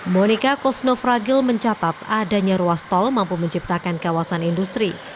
monika kosnofragil mencatat adanya ruas tol mampu menciptakan kawasan industri